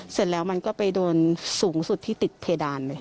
เสร็จแล้วมันก็ไปโดนสูงสุดที่ติดเพดานเลย